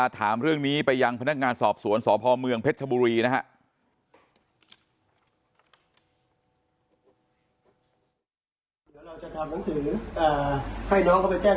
ถามเรื่องนี้ไปยังพนักงานสอบสวนสพเมืองเพชรชบุรีนะครับ